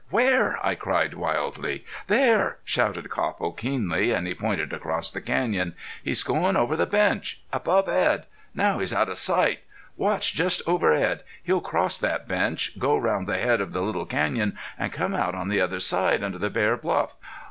Where?" I cried, wildly. "There!" shouted Copple, keenly, and he pointed across the canyon. "He's goin' over the bench above Edd.... Now he's out of sight. Watch just over Edd. He'll cross that bench, go round the head of the little canyon, an' come out on the other side, under the bare bluff....